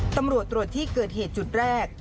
ตำรวจตรวจที่เกิดเหตุจุดแรก